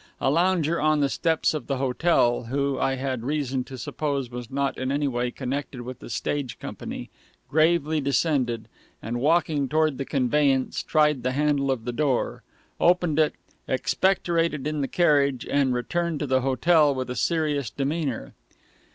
A lounger on the steps of the hotel, who I had reason to suppose was not in any way connected with the stage company, gravely descended, and walking toward the conveyance, tried the handle of the door, opened it, expectorated in the carriage, and returned to the hotel with a serious demeanor.